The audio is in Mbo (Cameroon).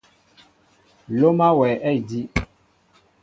Loma wɛ a ediw.